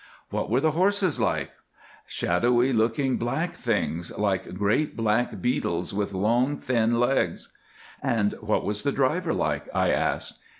"What were the horses like, eh?" "Shadowy looking black things, like great black beetles with long thin legs." "And what was the driver like?" I asked.